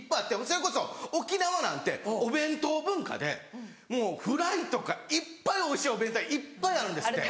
それこそ沖縄なんてお弁当文化でもうフライとかいっぱいおいしいお弁当がいっぱいあるんですって。